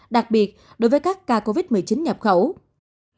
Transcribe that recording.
đặc biệt đối với các ca covid một mươi chín nhập khẩu